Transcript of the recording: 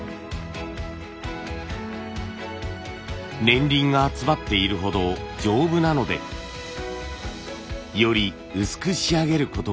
年輪が詰まっているほど丈夫なのでより薄く仕上げることができます。